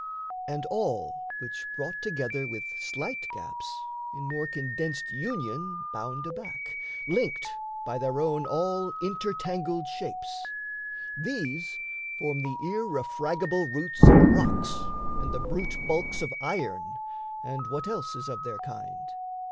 And all which, brought together with slight gaps, In more condensed union bound aback, Linked by their own all inter tangled shapes, These form the irrefragable roots of rocks And the brute bulks of iron, and what else Is of their kind...